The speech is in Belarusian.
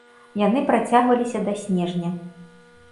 Яны працягваліся да снежня.